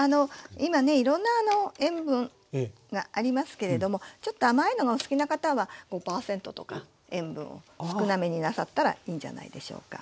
今ねいろんな塩分がありますけれどもちょっと甘いのがお好きな方は５％とか塩分を少なめになさったらいいんじゃないでしょうか。